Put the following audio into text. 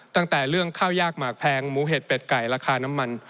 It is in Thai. ตั้งแต่เรื่องข้าวยากหมากแพงหมูเห็ดเป็ดไก่ราคาน้ำมัน